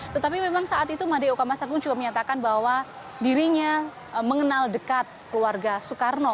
tetapi memang saat itu madeo kamasagung juga menyatakan bahwa dirinya mengenal dekat keluarga soekarno